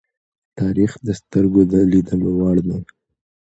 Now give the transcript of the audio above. تاریخ د سترگو د لیدلو وړ دی.